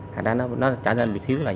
thành ra nó trở nên bị thiếu là vậy